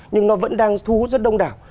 nhưng nó vẫn đang thu hút rất đông đảo